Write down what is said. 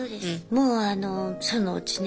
もうあのそのうちね